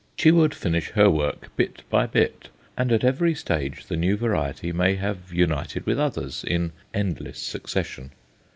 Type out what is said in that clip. She would finish her work bit by bit, and at every stage the new variety may have united with others in endless succession.